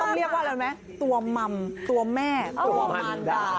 ต้องเรียบว่าอะไรไหมตัวม่ำตัวแม่ตัวม่ำดา